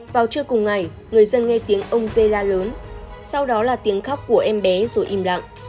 vào trưa cùng ngày người dân nghe tiếng ông dê la lớn sau đó là tiếng khóc của em bé rồi im lặng